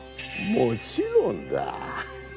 もちろんだ。